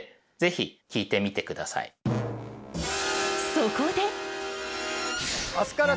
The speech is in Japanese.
そこで！